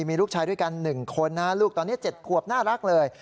มีลูกชายด้วยกัน๑คนนะลูกตอนนี้๗ขวบน่ารักเลย